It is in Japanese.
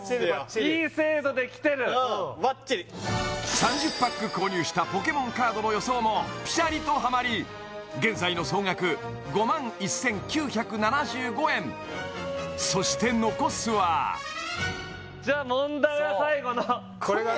いい精度できてる３０パック購入したポケモンカードの予想もピシャリとハマり現在の総額５１９７５円そして残すはじゃあ問題は最後のこれだね